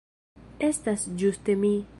Estas ĝuste mi.